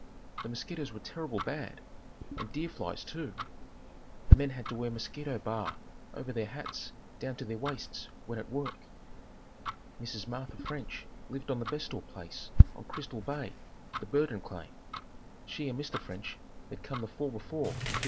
The mosquitoes were terrible bad and deer flies too. The men had to wear mosquito bar over their hats down to their waists when at work. Mrs. Martha French lived on the Bestor place on Crystal Bay, the Burdon claim. She and Mr. French had come the fall before in '54.